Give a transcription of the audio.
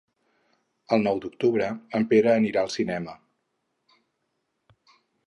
El nou d'octubre en Pere anirà al cinema.